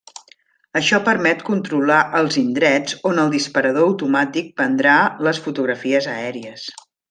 Això permet controlar els indrets on el disparador automàtic prendrà les fotografies aèries.